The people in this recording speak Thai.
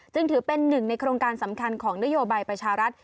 จึงถือเป็นหนึ่งในโครงการสำคัญของนโยบายประชารัฐ